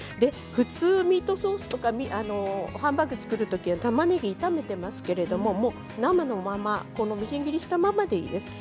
普通ミートソースとかハンバーグを作るときはたまねぎを炒めていますけど生のまま、みじん切りしたままでいいです。